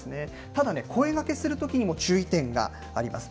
ただね、声がけするときにも注意点があります。